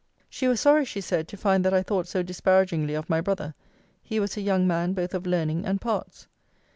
She was sorry, she said, to find that I thought so disparagingly of my brother. He was a young man both of learning and parts.